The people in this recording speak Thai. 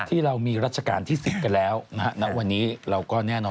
ที่เรามีรัชกาลที่๑๐กันแล้วนะฮะณวันนี้เราก็แน่นอน